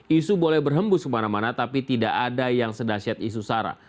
isu boleh berhembus kemana mana tapi tidak ada yang sedasyat isu sara